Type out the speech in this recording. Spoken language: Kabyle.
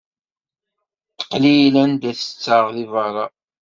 Qlil anda i setteɣ deg beṛṛa.